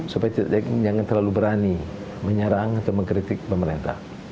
supaya mereka tidak terlalu berani menyerang atau mengkritik pemerintah